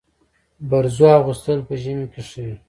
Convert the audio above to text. برزو اغوستل په ژمي کي ښه وي.